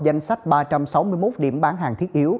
danh sách ba trăm sáu mươi một điểm bán hàng thiết yếu